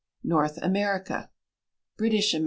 NORTH AMERICA British A.